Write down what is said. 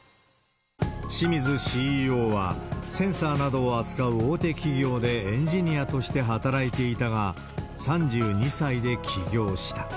清水ＣＥＯは、センサーなどを扱う大手企業でエンジニアとして働いていたが、３２歳で起業した。